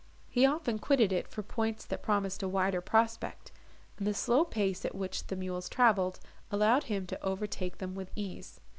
He often quitted it for points that promised a wider prospect, and the slow pace, at which the mules travelled, allowed him to overtake them with ease.